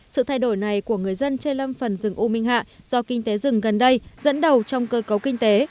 sự thay đổi này của người dân trên lâm phần rừng u minh hạ do kinh tế rừng gần đây dẫn đầu trong cơ cấu kinh tế